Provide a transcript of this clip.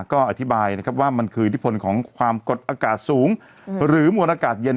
ก็อธิบายนะครับว่ามันคืออิทธิพลของความกดอากาศสูงหรือมวลอากาศเย็น